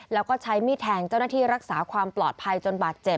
แล้วก็ใช้มีดแทงเจ้าหน้าที่รักษาความปลอดภัยจนบาดเจ็บ